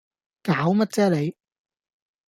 攪乜啫你